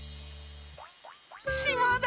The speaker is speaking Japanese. しまだ！